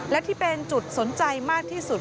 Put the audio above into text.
และที่เป็นจุดสนใจมากที่สุด